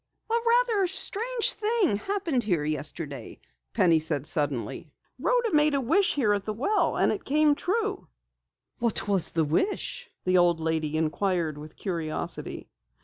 "A rather strange thing occurred yesterday," Penny said suddenly. "Rhoda made a wish here at the well, and it came true." "What was the wish?" the old lady inquired with curiosity.